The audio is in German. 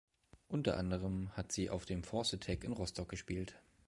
Unter anderem hat sie auf dem Force Attack in Rostock gespielt.